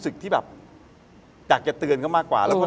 แต่มันมีความลับที่แปลกมากว่าทั้งคู่อ่ะ